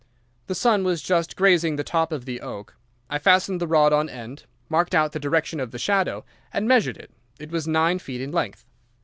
The sun was just grazing the top of the oak. I fastened the rod on end, marked out the direction of the shadow, and measured it. It was nine feet in length.